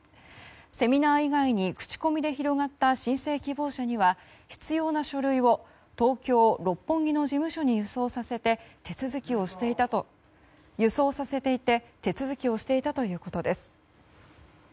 セミナー以外に口コミで広がった申請希望者には必要な書類を東京・六本木の事務所に郵送させていて手続きをしていたということです。